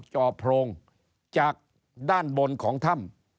จอกด้านบนของถ้ำ